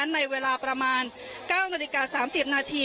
ในเวลาประมาณ๙นาฬิกา๓๐นาที